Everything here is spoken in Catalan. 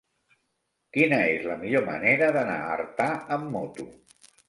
Quina és la millor manera d'anar a Artà amb moto?